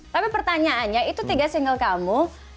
tapi pertanyaannya itu tiga single kamu